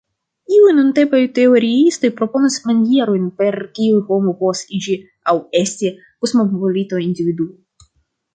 Iuj nuntempaj teoriistoj proponas manierojn, per kiuj homo povas iĝi aŭ esti kosmopolita individuo.